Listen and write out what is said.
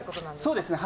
そうですね。